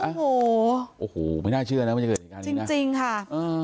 โอ้โหโอ้โหไม่น่าเชื่อนะว่าจะเกิดอย่างงี้นะจริงจริงค่ะอ่า